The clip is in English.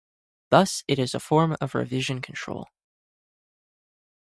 Thus it is a form of revision control.